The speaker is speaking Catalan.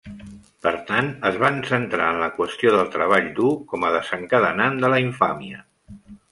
Per tant, es van centrar en la qüestió del treball dur com a desencadenant de la infàmia.